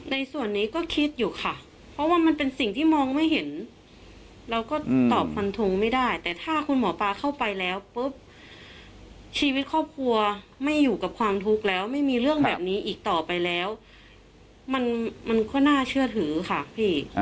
ในส่วนนี้ก็คิดอยู่ค่ะเพราะว่ามันเป็นสิ่งที่มองไม่เห็นเราก็ตอบฟันทงไม่ได้แต่ถ้าคุณหมอปลาเข้าไปแล้วปุ๊บชีวิตครอบครัวไม่อยู่กับความทุกข์แล้วไม่มีเรื่องแบบนี้อีกต่อไปแล้วมันก็น่าเชื่อถือค่ะพี่